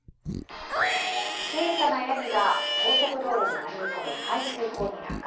小さなやぎが高速道路に迷い込み、排水溝に落下。